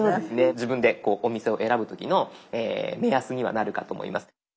自分でお店を選ぶ時の目安にはなるかと思います。